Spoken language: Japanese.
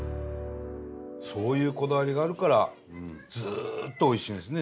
そういうこだわりがあるからずっとおいしいんですね